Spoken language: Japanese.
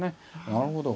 なるほど。